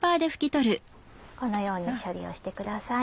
このように処理をしてください。